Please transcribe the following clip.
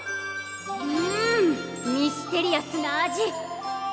んミステリアスな味！